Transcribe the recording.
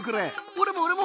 俺も俺も！